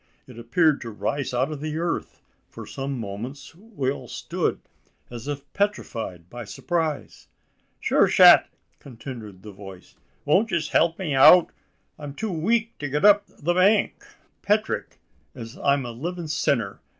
It appeared to rise out of the earth! For some moments, we all stood, as if petrified by surprise. "Shure shat!" continued the voice, "won't yez help me out? I'm too wake to get up the bank." "Petrick, as I'm a livin' sinner!